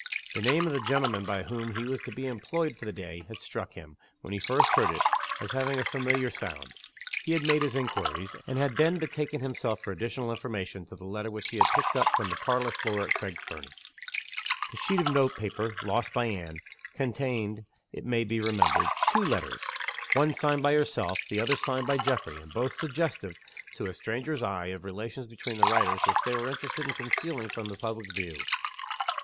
The name of the gentleman by whom he was to be employed for the day had struck him, when he first heard it, as having a familiar sound. He had made his inquiries; and had then betaken himself for additional information, to the letter which he had picked up from the parlor floor at Craig Fernie. The sheet of note paper, lost by Anne, contained, it may be remembered, two letters one signed by herself; the other signed by Geoffrey and both suggestive, to a stranger's eye, of relations between the writers which they were interested in concealing from the public view.